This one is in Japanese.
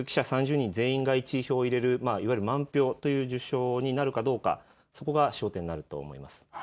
人が全員１位票を入れる満票という受賞になるかどうかそこが焦点になると思います。